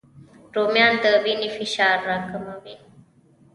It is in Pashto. رومیان د وینې فشار راکموي